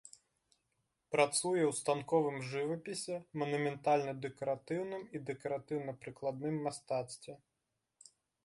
Працуе ў станковым жывапісе, манументальна-дэкаратыўным і дэкаратыўна-прыкладным мастацтве.